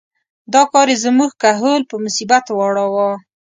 دا کار یې زموږ کهول په مصیبت واړاوه.